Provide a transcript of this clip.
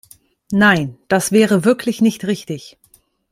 Nein, das wäre wirklich nicht richtig.